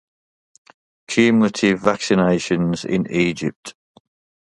Cumulative vaccinations in Egypt